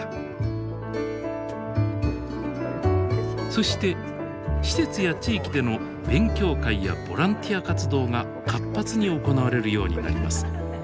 そして施設や地域での勉強会やボランティア活動が活発に行われるようになります。